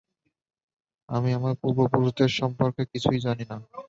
আমি আমার পূর্বপুরুষদের সম্পর্কে কিছুই জানি না।